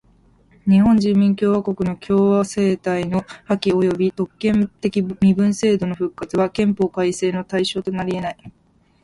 日本人民共和国の共和政体の破棄および特権的身分制度の復活は憲法改正の対象となりえない。